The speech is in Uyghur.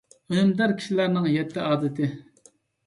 ئۈنۈمدار كىشىلەرنىڭ يەتتە ئادىتى.